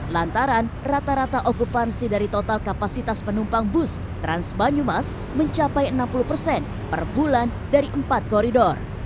lantaran rata rata okupansi dari total kapasitas penumpang bus trans banyumas mencapai enam puluh persen per bulan dari empat koridor